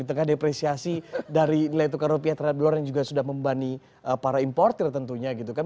di tengah depresiasi dari nilai tukar rupiah terhadap dolar yang juga sudah membani para importer tentunya gitu kan